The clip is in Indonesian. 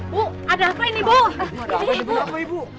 bu ada apa ini bu